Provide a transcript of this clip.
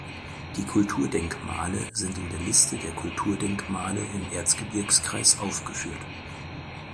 Die Kulturdenkmale sind in der Liste der Kulturdenkmale im Erzgebirgskreis aufgeführt.